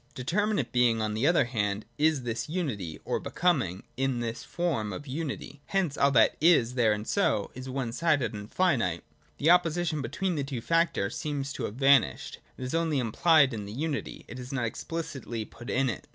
— Determinate being, on the other hand, is this unity, or Becoming in this form of unity : hence all that ' is there and so,' is one sided and finite. The opposition between the two factors seems to have vanished ; it is only implied in the unity, it is not explicitly put in it.